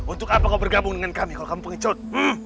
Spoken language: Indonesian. untuk apa kau bergabung dengan kami kalau kamu pengecot